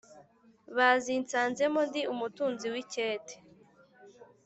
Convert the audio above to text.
Bazinsanzemo ndi umutunzi w' icyete